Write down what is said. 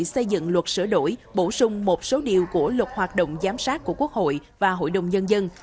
xây dựng luật sửa đổi bổ sung một số điều của luật hoạt động giám sát của quốc hội và hội đồng nhân dân